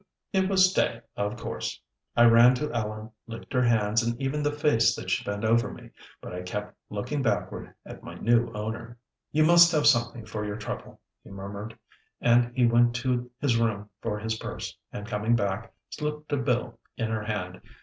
It was stay, of course. I ran to Ellen, licked her hands and even the face that she bent over me, but I kept looking backward at my new owner. "You must have something for your trouble," he murmured, and he went to his room for his purse, and coming back, slipped a bill in her hand.